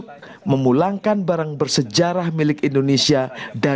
pas mungkin tidak pernah n dressed